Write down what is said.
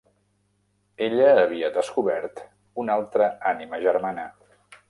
Ella havia descobert una altra ànima germana.